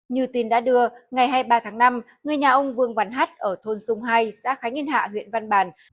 như tin đã đưa ngày hai mươi ba tháng năm người nhà ông vương văn hắt ở thôn sung hai xã khánh yên hạ huyện văn bàn